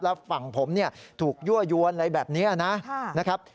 และฝั่งผมถูกยั่วยวนอะไรแบบนี้นะนะครับ